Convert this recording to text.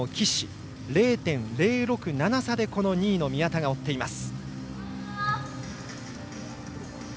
それを０．０６７差で２位の宮田が追っています。